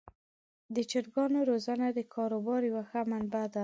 د چرګانو روزنه د کاروبار یوه ښه منبع ده.